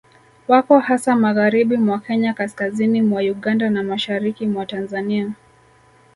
Wako hasa magharibi mwa Kenya kaskazini mwa Uganda na mashariki mwa Tanzania